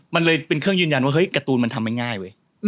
มันเลยเป็นเครื่องยืนยันว่าเฮ้ยการ์ตูนมันทำไม่ง่ายเว้ย